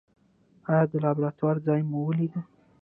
ایا د لابراتوار ځای مو ولید؟